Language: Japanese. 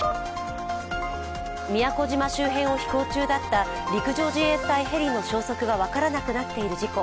宮古島周辺を飛行中だった陸上自衛隊ヘリの消息が分からなくなっている事故。